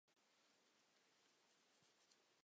中央轨道在此站以南汇入两条外侧轨道。